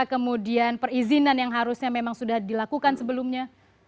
kemudian perizinan yang harusnya memang sudah dilakukan sebelumnya